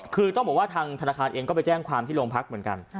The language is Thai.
คือต้องบอกว่าทางธนาคารเองก็ไปแจ้งความที่โรงพักเหมือนกัน